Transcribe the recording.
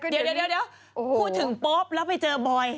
เดี๋ยวพูดถึงปุ๊บแล้วไปเจอบอย